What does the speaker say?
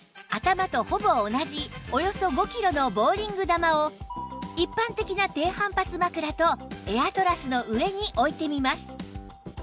頭とほぼ同じおよそ５キロのボウリング球を一般的な低反発枕とエアトラスの上に置いてみます